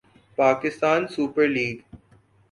Pakistan super league